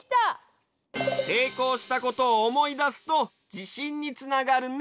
せいこうしたことをおもいだすとじしんにつながるね。